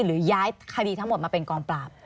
หรือย้ายคดีทั้งหมดมาเป็นกองปราบ